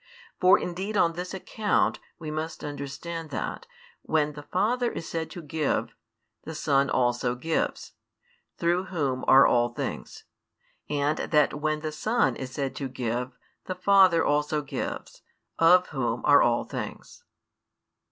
For indeed on this account [we must understand that] when the Father is said to give, the Son also gives, through Whom are all things; and that when the Son is said to give, the Father also gives, of Whom are all things.